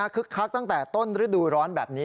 คักตั้งแต่ต้นฤดูร้อนแบบนี้